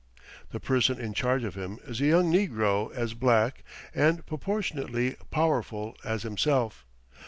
The person in charge of him is a young negro as black, and proportionately powerful, as himself.